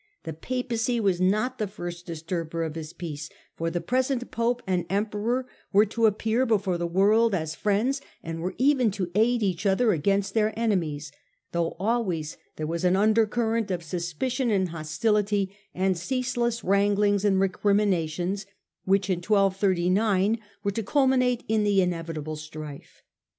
The Papacy was not the first disturber of his peace : for the present Pope and Emperor were to appear before the world as friends and were even to aid each other against their enemies, though always there was an undercurrent of suspicion and hostility, and ceaseless wranglings and recriminations, which in 1239 were to culminate in the inevitable strife.